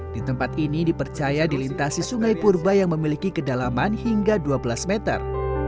di tempat ini dipercaya dilintasi sungai purba yang memiliki kedalaman hingga dua belas meter